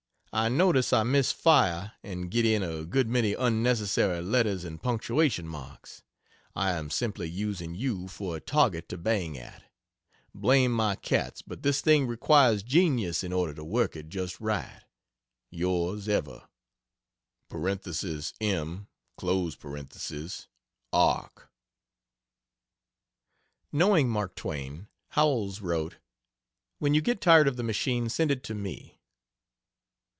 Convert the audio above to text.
I notice I miss fire & get in a good many unnecessary letters and punctuation marks. I am simply using you for a target to bang at. Blame my cats but this thing requires genius in order to work it just right. Yours ever, (M)ARK. Knowing Mark Twain, Howells wrote: "When you get tired of the machine send it to me."